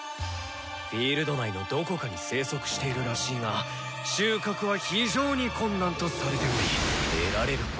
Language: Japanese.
フィールド内のどこかに生息しているらしいが収穫は非常に困難とされており得られるＰはう！